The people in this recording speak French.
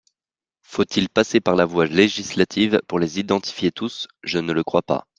Faut-il passer par la voie législative pour les identifier tous ? Je ne le crois pas.